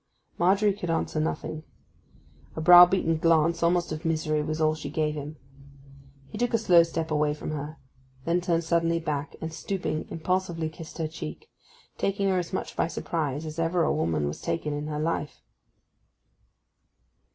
Margery could answer nothing. A browbeaten glance, almost of misery, was all she gave him. He took a slow step away from her; then turned suddenly back and, stooping, impulsively kissed her cheek, taking her as much by surprise as ever a woman was taken in her life.